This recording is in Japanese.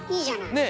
ねえ？